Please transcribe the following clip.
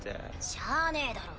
しゃあねぇだろ。